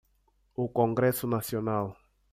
O congresso nacional.